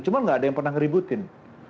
cuma nggak ada yang pernah ngeributin